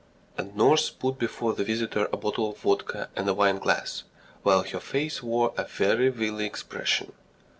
And nurse put before the visitor a bottle of vodka and a wine glass, while her face wore a very wily expression.